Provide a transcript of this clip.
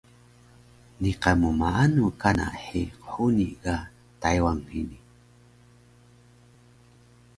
niqan mmaanu kana hei qhuni ga Taywan hini?